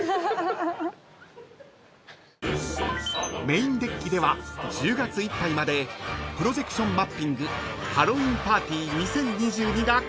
［メインデッキでは１０月いっぱいまでプロジェクションマッピング「Ｈａｌｌｏｗｅｅｎｐａｒｔｙ２０２２」が開催中］